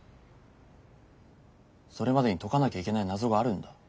それまでに解かなきゃいけない謎があるんだ。